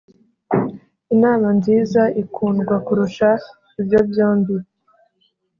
inama nziza ikundwa kurusha ibyo byombi.